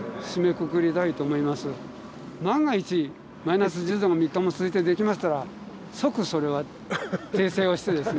万が一マイナス１０度も３日も続いてできましたら即それは訂正をしてですね。